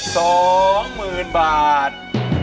สองหมื่นบาท